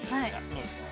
どうですか？